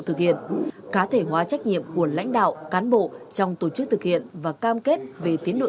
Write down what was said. thực hiện cá thể hóa trách nhiệm của lãnh đạo cán bộ trong tổ chức thực hiện và cam kết về tiến độ